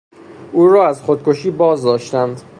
او را از خودکشی بازداشتند.